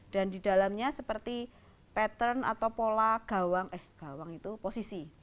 dan di dalamnya seperti pattern atau pola gawang eh gawang itu posisi